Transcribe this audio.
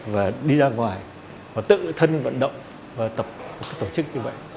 và đi ra ngoài và tự thân vận động và tập tổ chức như vậy